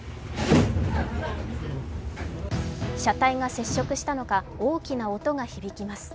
車体が接触したのか、大きな音が響きます。